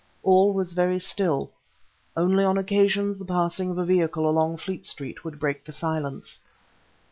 All was very still; only on occasions the passing of a vehicle along Fleet Street would break the silence.